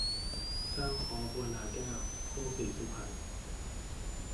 สร้างค้อ โพนนาแก้ว โคกศรีสุพรรณ